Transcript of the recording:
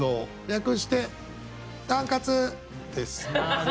略して「タンカツ」です。